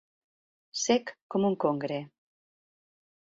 Sec com un congre.